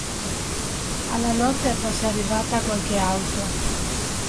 Alla notte fosse arrivata qualche auto.